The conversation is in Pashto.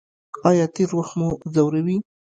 ایا تیر وخت مو ځوروي؟